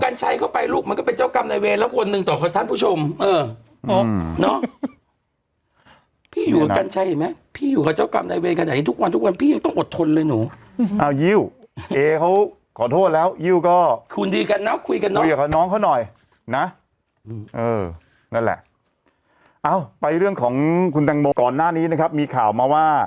นี่ไงหัวน้องอยากคุยอะไรกับพี่ก็ส่งเข้ามาเลยเราอ่านข้อความ